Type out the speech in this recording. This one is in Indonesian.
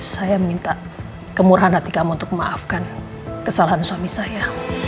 saya minta kemurahan hati kamu untuk memaafkan kesalahan suami saya